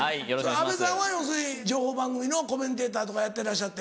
安部さんは要するに情報番組のコメンテーターとかやってらっしゃって。